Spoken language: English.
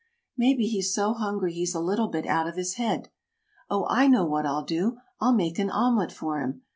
Maybe he's so hungry he's a little bit out of his head. Oh, I know what I'll do! I'll make an omelet for him!